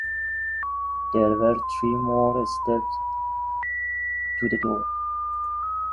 There were three more steps to the door.